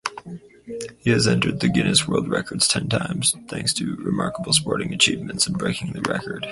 He has entered the Guinness World Records ten times thanks to remarkable sporting achievements.